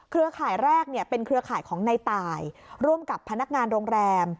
ข่ายแรกเป็นเครือข่ายของในตายร่วมกับพนักงานโรงแรม